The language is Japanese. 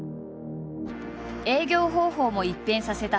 営業方法も一変させた。